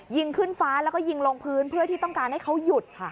ยิงขึ้นฟ้าแล้วก็ยิงลงพื้นเพื่อที่ต้องการให้เขาหยุดค่ะ